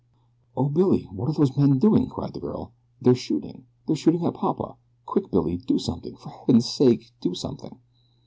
"O Billy! What are those men doing?" cried the girl. "They're shooting. They're shooting at papa! Quick, Billy! Do something. For heaven's sake do something."